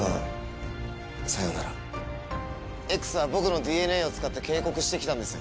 Ｘは僕のＤＮＡを使って警告してきたんです。